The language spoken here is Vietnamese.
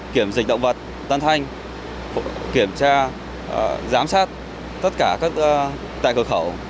kiểm dịch động vật tăng thanh kiểm tra giám sát tất cả các tài cửa khẩu